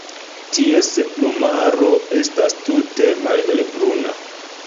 Ties plumaro estas tute malhelbruna.